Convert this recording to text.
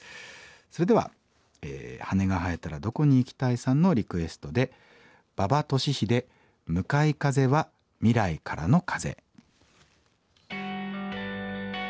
それでははねがはえたらどこに行きたいさんのリクエストで馬場俊英「向かい風は未来からの風」。